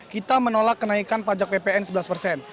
kita menolak kenaikan pajak ppn sebelas persen